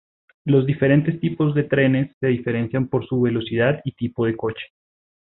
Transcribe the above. Los diferentes tipos de trenes se diferencian por su velocidad y tipo de coche.